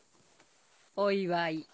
お祝い。